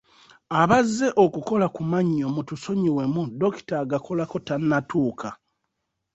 Abazze okukola ku mannyo mutusonyiwemu dokita agakolako tannatuuka.